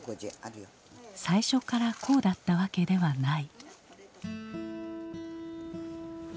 最初からこうだったわけではない。